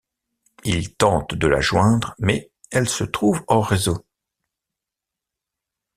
Il tente de la joindre mais elle se trouve hors réseau.